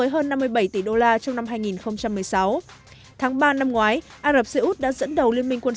hơn một tỷ đô la trong năm hai nghìn một mươi sáu tháng ba năm ngoái ả rập xê út đã dẫn đầu liên minh quân